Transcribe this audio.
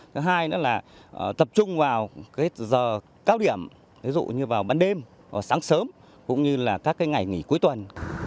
cái hai nữa là tập trung vào giờ cao điểm ví dụ như vào ban đêm sáng sớm cũng như là các ngày nghỉ cuối tuần